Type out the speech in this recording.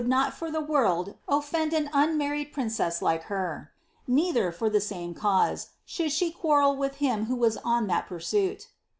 209 Ibr the worid oflbnd an unmanied princess like her; neither, for the «me cause, should she quarrel with him who was on that pursuit."